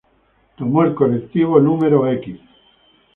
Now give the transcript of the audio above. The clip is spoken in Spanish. Tomo colectivo no.